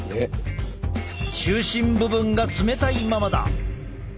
中心部分が冷たいままだ。